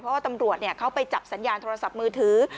เพราะว่าตำรวจเขาไปจับสัญญาณโทรศัพท์มือถือ